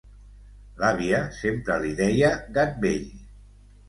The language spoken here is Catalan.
L'àvia sempre li deia gat vell.